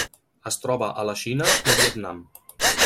Es troba a la Xina i Vietnam.